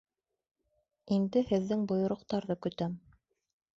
Инде һеҙҙең бойороҡтарҙы көтәм.